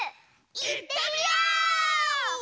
いってみよう！